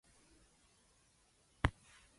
Ow!